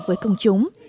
với công chúng